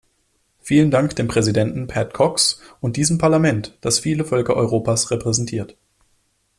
Vielen Dank dem Präsidenten, Pat Cox, und diesem Parlament, das viele Völker Europas repräsentiert.